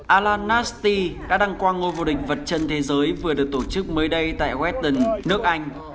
alan nasti đã đăng qua ngôi vô địch vật chân thế giới vừa được tổ chức mới đây tại weston nước anh